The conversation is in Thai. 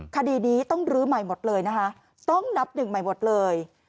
คดีนี้ต้องลื้อใหม่หมดเลยนะคะต้องนับหนึ่งใหม่หมดเลย